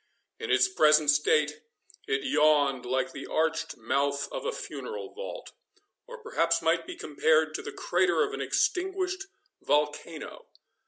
In its present state, it yawned like the arched mouth of a funeral vault, or perhaps might be compared to the crater of an extinguished volcano.